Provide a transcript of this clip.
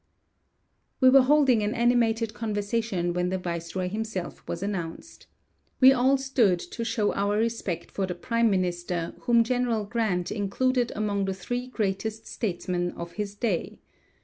We were holding an animated conversation when the viceroy himself was announced. We all stood to show our respect for the prime minister whom General Grant included among the three greatest statesmen of his day.